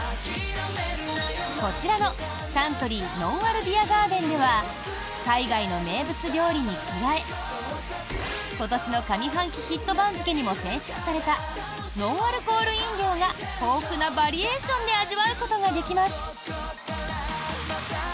こちらのサントリーのんあるビアガーデンでは海外の名物料理に加え今年の上半期ヒット番付にも選出されたノンアルコール飲料が豊富なバリエーションで味わうことができます。